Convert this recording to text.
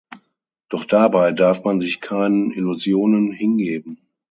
Doch dabei darf man sich keinen Illusionen hingeben.